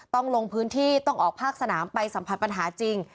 ต้องลงพื้นที่ต้องออกภาคสนามไปสัมผัสปัญหาจริง